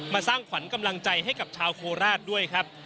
สร้างขวัญกำลังใจให้กับชาวโคราชด้วยครับ